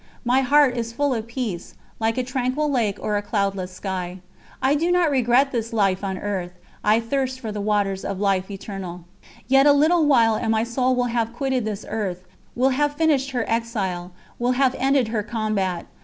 My heart is full of peace, like a tranquil lake or a cloudless sky. I do not regret this life on earth. I thirst for the waters of Life Eternal. "Yet a little while and my soul will have quitted this earth, will have finished her exile, will have ended her combat.